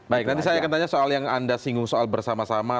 baik nanti saya akan tanya soal yang anda singgung soal bersama sama